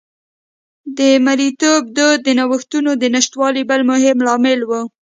د مریتوب دود د نوښتونو د نشتوالي بل مهم لامل و